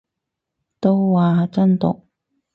都話真毒